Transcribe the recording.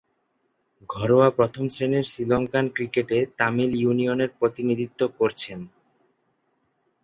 ঘরোয়া প্রথম-শ্রেণীর শ্রীলঙ্কান ক্রিকেটে তামিল ইউনিয়নের প্রতিনিধিত্ব করছেন।